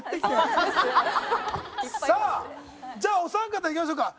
さあじゃあお三方いきましょうか。